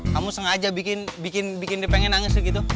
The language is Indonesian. kamu sengaja bikin dia pengen nangis gitu